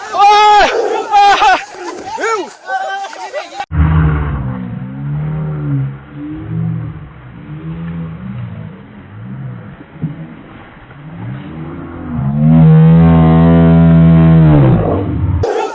ว้าวว้าวว้าว